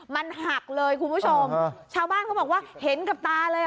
มันหักเลยคุณผู้ชมชาวบ้านเขาบอกว่าเห็นกับตาเลยอ่ะ